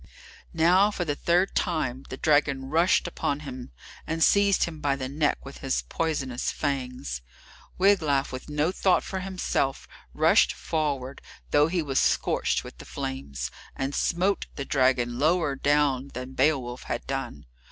Now, for the third time, the dragon rushed upon him, and seized him by the neck with his poisonous fangs. Wiglaf, with no thought for himself, rushed forward, though he was scorched with the flames, and smote the dragon lower down than Beowulf had done.